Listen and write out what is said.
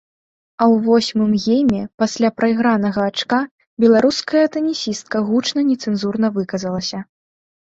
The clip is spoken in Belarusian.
А ў восьмым гейме пасля прайгранага ачка беларуская тэнісістка гучна нецэнзурна выказалася.